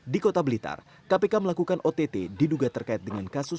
di kota blitar kpk melakukan ott diduga terkait dengan kasus